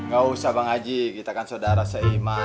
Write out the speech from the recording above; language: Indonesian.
gak usah bang haji kita kan saudara seiman